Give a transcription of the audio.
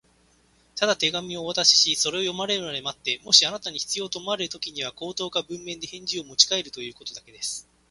「ただ手紙をお渡しし、それを読まれるまで待って、もしあなたに必要と思われるときには、口頭か文面で返事をもちかえるということだけです」